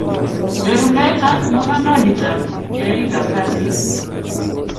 nyorunet ak makarnandit ap yaik ap kasit